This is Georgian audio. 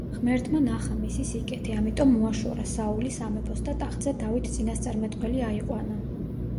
ღმერთმა ნახა მისი სიკეთე, ამიტომ მოაშორა საული სამეფოს და ტახტზე დავით წინასწარმეტყველი აიყვანა.